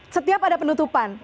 setiap ada penutupan